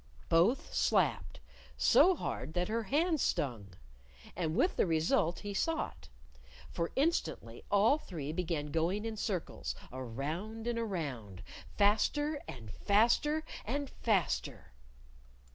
Both slapped so hard that her hands stung. And with the result he sought. For instantly all three began going in circles, around and around, faster and faster and faster.